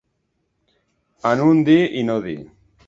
En un dir i no dir.